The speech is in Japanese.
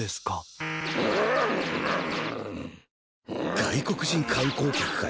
外国人観光客かよ。